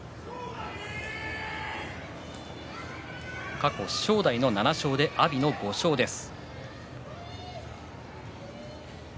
過去、正代の７勝阿炎の５勝です。